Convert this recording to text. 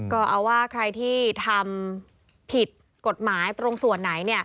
ก็เอาว่าใครที่ทำผิดกฎหมายตรงส่วนไหน